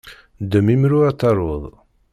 Ddem imru ad taruḍ!